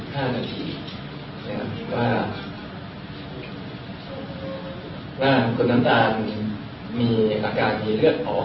ผมว่าคุณน้ำตาลมีอาการมีเลือดออก